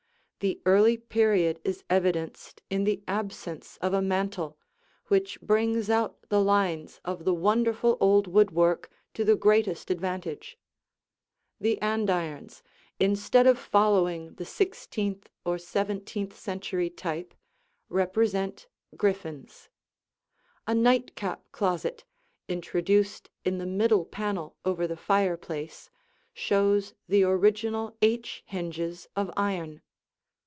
The early period is evidenced in the absence of a mantel, which brings out the lines of the wonderful old woodwork to the greatest advantage. The andirons, instead of following the sixteenth or seventeenth century type, represent griffins. A nightcap closet, introduced in the middle panel over the fireplace, shows the original H hinges of iron.